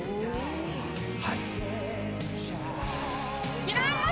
いきます！